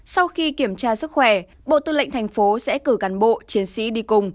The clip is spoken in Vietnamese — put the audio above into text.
sau khi kiểm tra sức khỏe bộ tư lệnh thành phố sẽ cử cán bộ chiến sĩ đi cùng